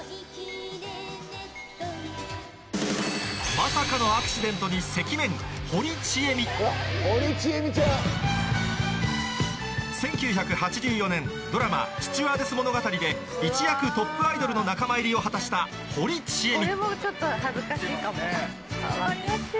まさかの１９８４年ドラマ『スチュワーデス物語』で一躍トップアイドルの仲間入りを果たした堀ちえみ